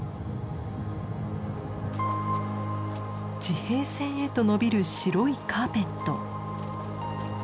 地平線へと延びる白いカーペット。